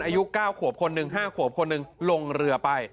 อายุ๙ขวบคนหนึ่ง๕ขวบคนหนึ่งลงเรือไป